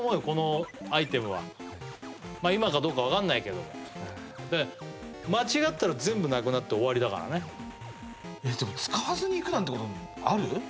このアイテムは今かどうか分かんないけども間違ったら全部なくなって終わりだからねでも使わずにいくなんてことある？